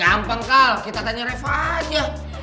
gampang kal kita tanya rev aja